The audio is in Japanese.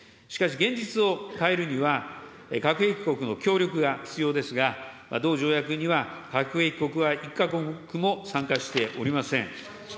しかし現実を変えるには、核兵器国の協力が必要ですが、同条約には核兵器国は一か国も参加しておりません。